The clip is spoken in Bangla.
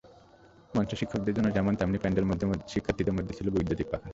মঞ্চে শিক্ষকদের জন্য যেমন, তেমনি প্যান্ডেলের মধ্যে শিক্ষার্থীদের মধ্যে ছিল বৈদ্যুতিক পাখা।